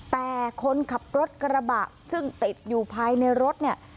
แต่คนขับรถกระบะซึ่งติดอยู่ภายในรถเนี่ย